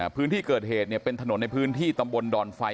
พื้นที่เกิดเหตุเป็นถนนในพื้นที่ตำบลดอนไฟ